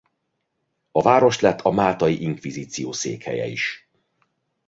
A város lett a máltai inkvizíció székhelye is.